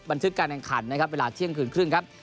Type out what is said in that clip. บันทึกการแข่งขันนะครับเวลาเที่ยงคืนครึ่งครับ